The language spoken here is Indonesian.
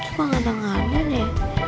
cuma gak denger nger ya